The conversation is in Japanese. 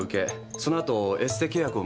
そのあとエステ契約を結んだ。